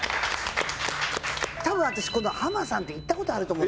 多分私このはまさんって行った事あると思うんだよね